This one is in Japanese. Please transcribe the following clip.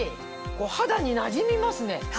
肌になじみますね。